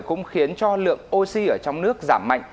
cũng khiến cho lượng oxy ở trong nước giảm mạnh